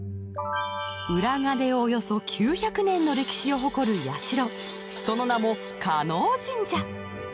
浦賀でおよそ９００年の歴史を誇る社その名も叶神社